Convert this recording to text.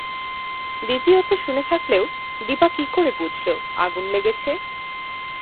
দ্বিতীয়ত শুনে থাকলেও দিপা কী করে বুঝল আগুন লেগেছে?